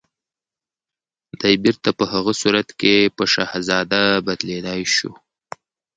دی بيرته په هغه صورت کې په شهزاده بدليدای شو